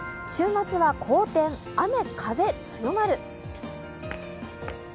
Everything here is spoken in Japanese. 週末は荒天、雨、風、強まる。